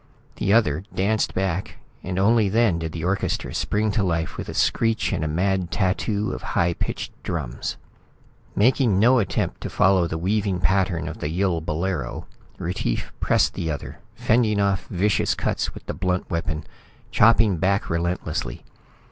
The other danced back, and only then did the orchestra spring to life with a screech and a mad tattoo of high pitched drums. Making no attempt to following the weaving pattern of the Yill bolero, Retief pressed the other, fending off vicious cuts with the blunt weapon, chopping back relentlessly.